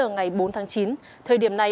ngày bốn tháng chín thời điểm này